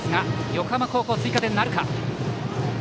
横浜高校は追加点なるか。